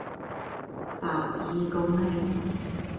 白衣公卿